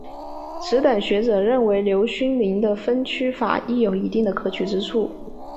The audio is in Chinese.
此等学者认为刘勋宁的分区法亦有一定可取之处。